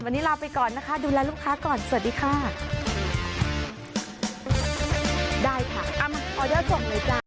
วันนี้ลาไปก่อนนะคะดูแลลูกค้าก่อนสวัสดีค่ะได้ค่ะ